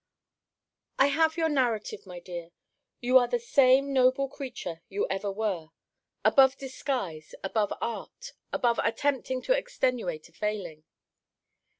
I have your narrative, my dear. You are the same noble creature you ever were. Above disguise, above art, above attempting to extenuate a failing.